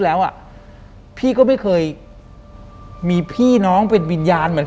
หลังจากนั้นเราไม่ได้คุยกันนะคะเดินเข้าบ้านอืม